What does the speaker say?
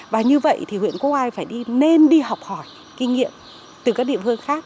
và như vậy thì huyện quốc ai phải đi nên đi học hỏi kinh nghiệm từ các địa phương khác